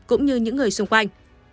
cũng như những người xung quanh